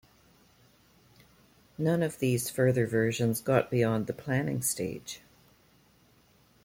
None of these further versions got beyond the planning stage.